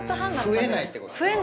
増えないってことね。